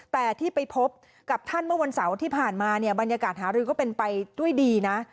แต่ที่ไปพบกับท่านเมื่อวันเสาร์ที่ผ่านมาเนี่ยบรรยากาศหารือก็เป็นไปด้วยดีนะ